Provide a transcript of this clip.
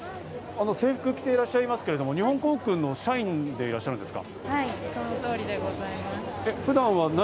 制服を着ていらっしゃいますけど、日本航空の社員でいらっしゃるんですか？